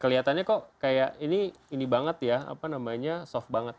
kelihatannya kok kayak ini ini banget ya apa namanya soft banget